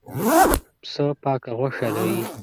پسه پاکه غوښه لري.